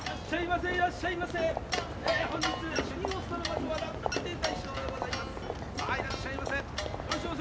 さあいらっしゃいませ。